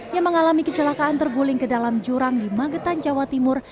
yang mengalami kecelakaan terguling ke dalam jurang di magetan jawa timur